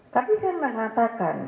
tapi saya mengatakan